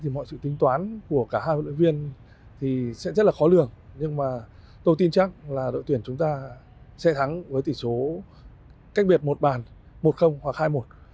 mọi sự tính toán của cả hai huấn luyện viên thì sẽ rất là khó lường nhưng mà tôi tin chắc là đội tuyển chúng ta sẽ thắng với tỷ số cách biệt một bàn một hoặc hai một